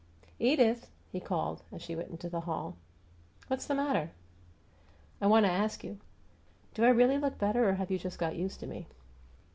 "Edith!" he called, as she went into the hall. "What's the matter?" "I want to ask you: Do I really look better, or have you just got used to me?"